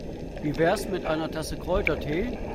Wie wär's mit einer Tasse Kräutertee?